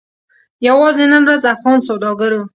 یوازې نن ورځ افغان سوداګرو